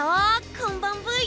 こんばんブイ！